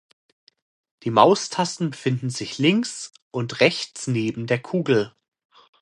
Die Maustasten befinden sich links und rechts neben der Kugel.